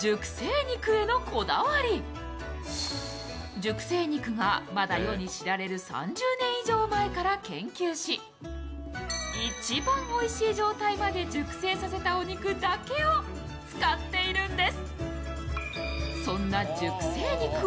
熟成肉がまだ世に知られる３０年以上前から研究し一番おいしい状態まで熟成させたお肉だけを使っているんです。